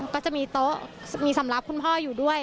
ก็จะมีโต๊ะมีสำหรับคุณพ่ออยู่ด้วย